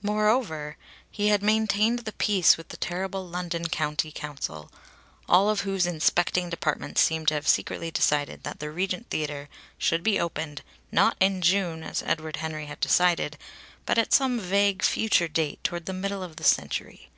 Moreover he had maintained the peace with the terrible London County Council, all of whose inspecting departments seemed to have secretly decided that the Regent Theatre should be opened, not in June as Edward Henry had decided but at some vague future date toward the middle of the century.